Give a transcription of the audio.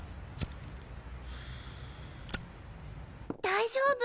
大丈夫？